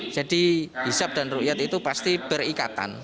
jadi hisap dan rukyat itu pasti berikatan